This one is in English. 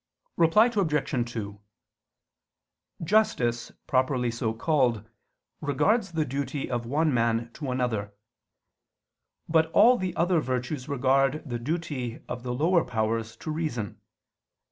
Reply Obj. 2: Justice properly so called regards the duty of one man to another: but all the other virtues regard the duty of the lower powers to reason.